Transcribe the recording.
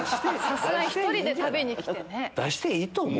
さすがに１人で食べに来てね。